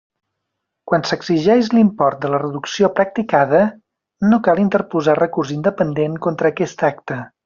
Quan s'exigeix l'import de la reducció practicada, no cal interposar recurs independent contra aquest acte.